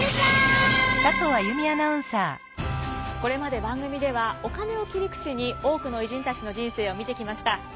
これまで番組ではお金を切り口に多くの偉人たちの人生を見てきました。